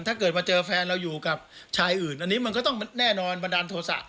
ถ้าเกิดมาเจอแฟนเราอยู่กับชายอื่นอันนี้มันก็ต้องแน่นอนบันดาลโทษะ